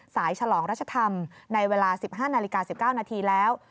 ฉลองรัชธรรมในเวลา๑๕นาฬิกา๑๙นาทีแล้ว